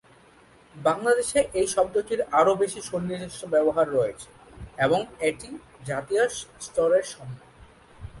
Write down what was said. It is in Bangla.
বাংলাদেশে এই শব্দটির আরও বেশি সুনির্দিষ্ট ব্যবহার রয়েছে এবং এটি জাতীয় স্তরের সম্মান।